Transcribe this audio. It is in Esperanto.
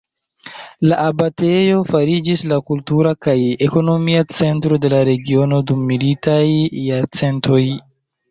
La abatejo fariĝis la kultura kaj ekonomia centro de la regiono dum multaj jarcentoj.